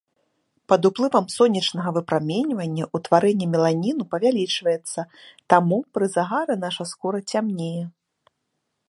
Пад уплывам сонечнага выпраменьвання ўтварэнне меланіну павялічваецца, таму пры загары наша скура цямнее.